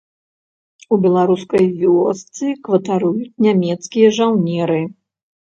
У беларускай вёсцы кватаруюць нямецкія жаўнеры.